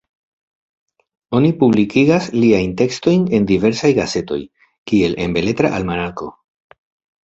Oni publikigas liajn tekstojn en diversaj gazetoj, kiel en Beletra Almanako.